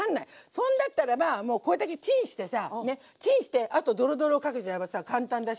そんだったらばもうこれだけチンしてさチンしてあとドロドロかけちゃえばさ簡単だしさ。